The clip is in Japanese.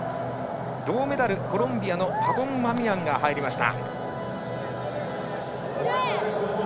銅メダル、コロンビアのパボンマミアンが入りました。